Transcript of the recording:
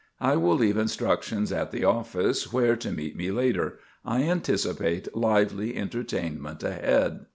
I will leave instructions at the office where to meet me later. I anticipate lively entertainment ahead."